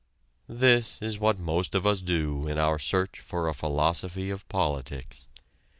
This is what most of us do in our search for a philosophy of politics.